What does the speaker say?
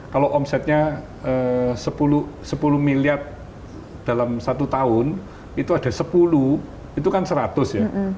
kalau omsetnya sepuluh miliar dalam satu tahun itu ada sepuluh itu kan seratus ya